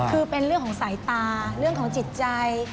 คือเป็นเรื่องของสายตาเรื่องของจิตใจ